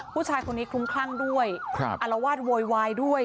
ผู้ชายคนนี้คลุ้มคลั่งด้วยอารวาสโวยวายด้วย